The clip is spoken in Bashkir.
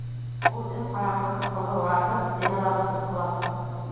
Ул дөм ҡараңғы соҡорҙо уратып стеналарҙы тотҡолап сыҡты.